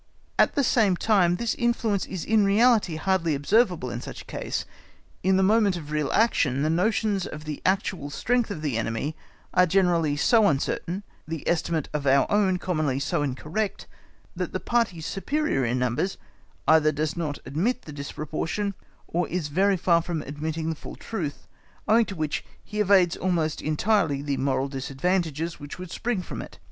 At the same time this influence is in reality hardly observable in such a case. In the moment of real action, the notions of the actual strength of the enemy are generally so uncertain, the estimate of our own commonly so incorrect, that the party superior in numbers either does not admit the disproportion, or is very far from admitting the full truth, owing to which, he evades almost entirely the moral disadvantages which would spring from it.